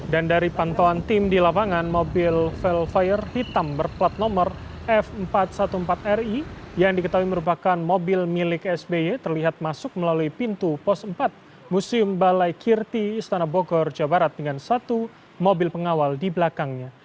dan dari pantauan tim di lapangan mobil velfire hitam berplat nomor f empat ratus empat belas ri yang diketahui merupakan mobil milik sby terlihat masuk melalui pintu pos empat museum balai kirti stana bogor jawa barat dengan satu mobil pengawal di belakangnya